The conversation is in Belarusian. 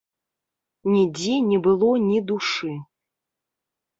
Нідзе не было ні душы.